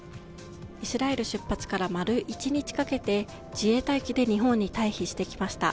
イスラエル出発から丸１日かけて自衛隊機で日本に退避してきました。